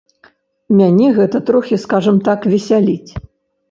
Мяне гэта трохі, скажам так, весяліць.